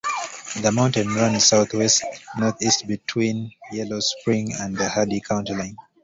The mountain runs southwest northeast between Yellow Spring and the Hardy County line.